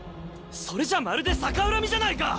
それじゃまるで逆恨みじゃないか！